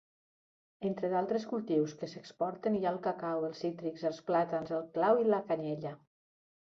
Entre d'altres cultius que s'exporten hi ha el cacau, els cítrics, els plàtans, el clau i la canyella.